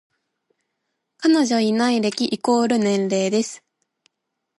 彼女いない歴イコール年齢です